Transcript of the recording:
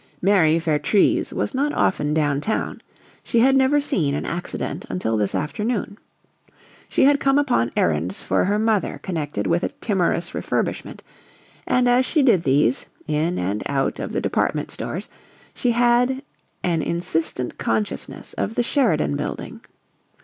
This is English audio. Mary Vertrees was not often down town; she had never seen an accident until this afternoon. She had come upon errands for her mother connected with a timorous refurbishment; and as she did these, in and out of the department stores, she had an insistent consciousness of the Sheridan Building.